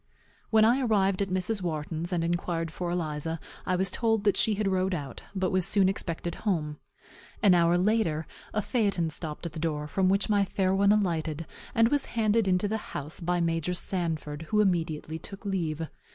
When I arrived at Mrs. Wharton's, and inquired for Eliza, I was told that she had rode out, but was soon expected home. An hour after, a phaeton stopped at the door, from which my fair one alighted, and was handed into the house by Major Sanford, who immediately took leave.